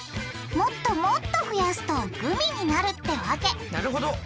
もっともっと増やすとグミになるってわけなるほど。